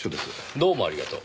どうもありがとう。